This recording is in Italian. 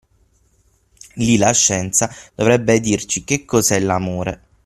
Lì la scienza dovrebbe dirci che cos'è l'amore.